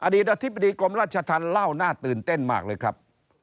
อธิบดีกรมราชธรรมเล่าน่าตื่นเต้นมากเลยครับ